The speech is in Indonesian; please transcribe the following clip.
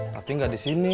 tapi gak disini